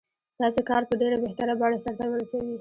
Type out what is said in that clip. ستاسې کار په ډېره بهتره بڼه سرته ورسوي.